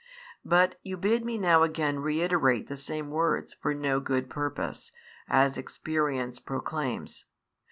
But you bid me now again reiterate |41 the same words for no good purpose, as experience proclaims.